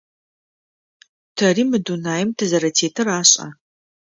Тэри мы дунаим тызэрэтетыр ашӏа?